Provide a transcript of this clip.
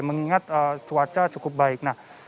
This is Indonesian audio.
mengingat cuaca cukup baik